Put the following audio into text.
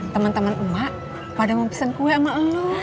teman teman emak pada mempesen kue sama allah